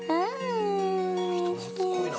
人懐っこいな。